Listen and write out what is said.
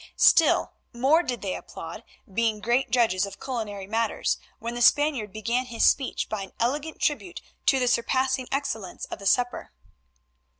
Still more did they applaud, being great judges of culinary matters, when the Spaniard began his speech by an elegant tribute to the surpassing excellence of the supper.